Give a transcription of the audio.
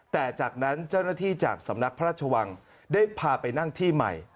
แต่จากนั้นเจ้าหน้าที่จากสำนักพระราชวังได้พาไปนั่งที่ใหม่